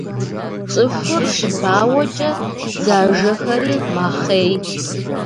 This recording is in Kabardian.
Цӏыхур щыбауэкӏэ дзажэхэри мэхъей.